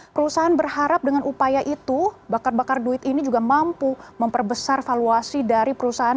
perusahaan berharap dengan upaya itu bakar bakar duit ini juga mampu memperbesar valuasi dari perusahaan